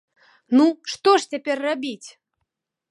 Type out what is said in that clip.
Ну, што ж цяпер рабіць?!